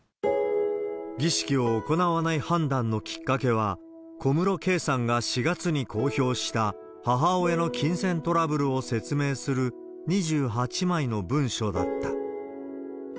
儀式を行わない判断のきっかけは、小室圭さんが４月に公表した母親の金銭トラブルを説明する２８枚の文書だった。